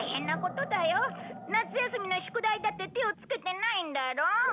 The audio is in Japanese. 夏休みの宿題だって手をつけてないんだろう？